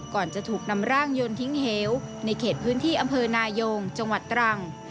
ก่อนจะถูกนำร่างยนต์ทิ้งเหวในเขตพื้นที่อำเภอนายงจังหวัดตรัง